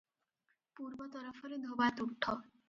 ପୂର୍ବ ତରଫରେ ଧୋବାତୁଠ ।